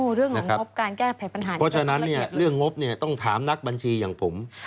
เพราะฉะนั้นเรื่องงบต้องถามนักบัญชีอย่างผม